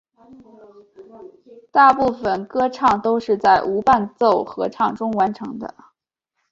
大部分歌唱都是在无伴奏合唱中完成的。